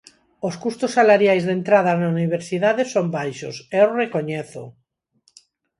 Os custos salariais de entrada na universidade son baixos, eu recoñézoo.